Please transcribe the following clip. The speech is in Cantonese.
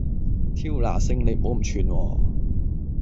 挑那星！你唔好咁串喎